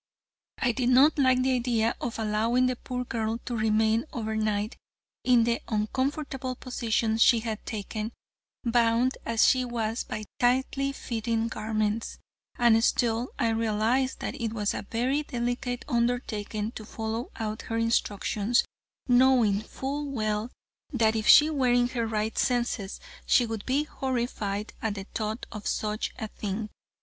I did not like the idea of allowing the poor girl to remain over night, in the uncomfortable position she had taken, bound as she was by tightly fitting garments, and still I realized that it was a very delicate undertaking to follow out her instructions, knowing full well that if she were in her right senses she would be horrified at the thought of such a thing.